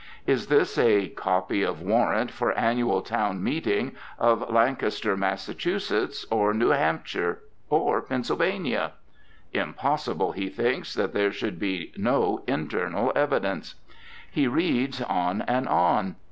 Is this a "Copy of Warrant for Annual Town Meeting" of Lancaster, Massachusetts, or New Hampshire, or Pennsylvania? Impossible, he thinks, that there should be no internal evidence. He reads on and on.